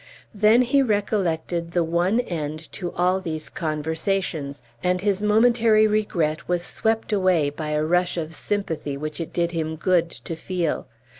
Then he recollected the one end to all these conversations, and his momentary regret was swept away by a rush of sympathy which it did him good to feel.